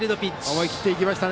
思い切っていきました。